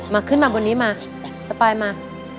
ขึ้นมาบนนี้มาสปายมา